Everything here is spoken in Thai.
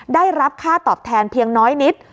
ได้รับค่าตอบแทนเพียงน้อยนิด